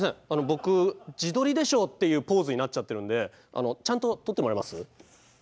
僕「自撮りでしょ」っていうポーズになっちゃってるんでちゃんと撮ってもらえます？